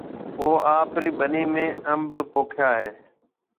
اوَي آپرِي ٻنِي ۾ انڀ پوکيا هيَ؟